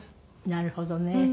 なるほどね。